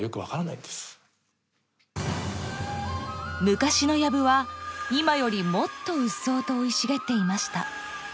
［昔のやぶは今よりもっとうっそうと生い茂っていました］